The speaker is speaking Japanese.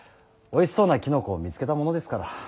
おいしそうなきのこを見つけたものですから。